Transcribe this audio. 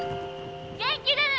元気でね！